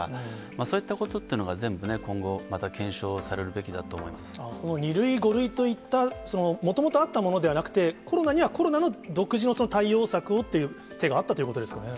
そういったことっていうのが、全部ね、今後、また検証されるべもう２類、５類といった、もともとあったものではなくて、コロナにはコロナの独自の対応策をっていう手があったということですよね。